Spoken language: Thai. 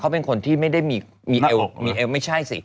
เขาเป็นคนไม่ได้มีเอวไม่ใช่สิ